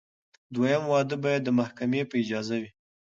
دویم واده باید د محکمې په اجازه وي.